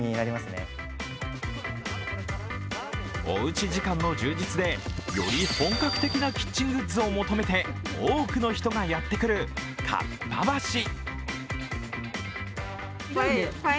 おうち時間の充実で、より本格的なキッチングッズを求めて多くの人がやってくる、かっぱ橋。